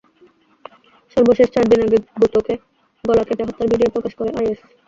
সর্বশেষ চার দিন আগে গোতোকে গলা কেটে হত্যার ভিডিও প্রকাশ করে আইএস।